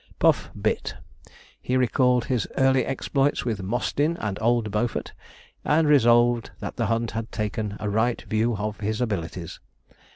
Puff 'bit.' He recalled his early exploits with 'Mostyn and old Beaufort,' and resolved that the hunt had taken a right view of his abilities.